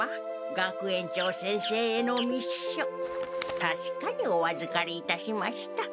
学園長先生への密書たしかにおあずかりいたしました。